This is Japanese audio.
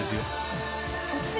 こっち？